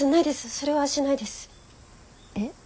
それはしないです。え。